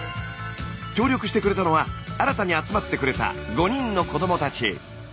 協力してくれたのは新たに集まってくれた５人の子どもたち。